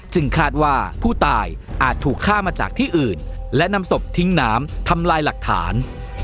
คาดว่าผู้ตายอาจถูกฆ่ามาจากที่อื่นและนำศพทิ้งน้ำทำลายหลักฐาน